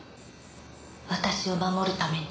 私を守るために。